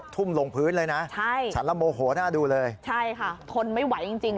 ทุ่มลงพื้นเลยนะใช่ฉันละโมโหน่าดูเลยใช่ค่ะทนไม่ไหวจริงจริง